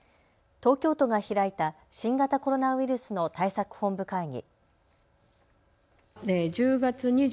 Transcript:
東京都が開いた新型コロナウイルスの対策本部会議。